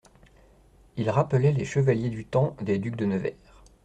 Il rappelait les chevaliers du temps des ducs de Nevers.